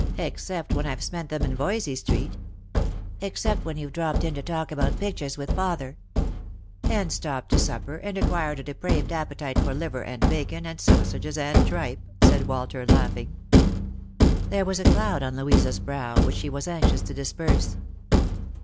" Except when I've spent them in Voysey street." " Except when you've dropped in to talk about pictures with father." " And stopped to supper, and acquired a depraved appetite Lost for JLove. 105 for liver and bacon, and sausages, and tripe," said Walter, laughing. There was a cloud on Louisa's brow which he was anxious to disperse.